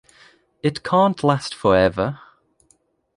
It can't last for ever.